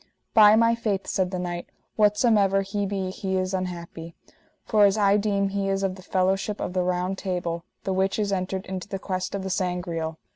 By my faith, said the knight, whatsomever he be he is unhappy, for as I deem he is of the fellowship of the Round Table, the which is entered into the quest of the Sangreal.